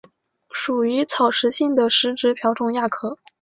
属于草食性的食植瓢虫亚科。